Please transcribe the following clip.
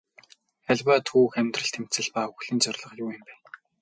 Аливаа түүх амьдрал тэмцэл ба үхлийн зорилго юу юм бэ?